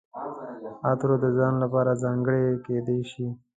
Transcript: عطرونه د ځان لپاره ځانګړي کیدای شي.